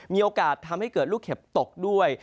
มีโอกาสทำให้เกิดลูกเห็บตกด้วย